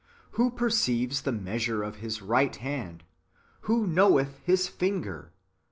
Who perceives the measure of His right hand? Who knoweth His finger?